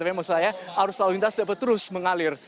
tapi maksud saya arus lalu lintas dapat terus mengalir